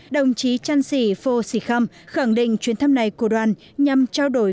đồng chí trăn sỉ phô sỉ khăm khẳng định chuyến thăm này của đoàn nhằm trao đổi